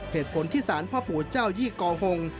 เหตุผลที่ศพจ้านหยี่กอหงษ์